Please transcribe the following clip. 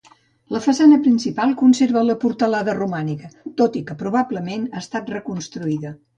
La façana principal conserva la portalada romànica, tot i que probablement ha estat reconstruïda.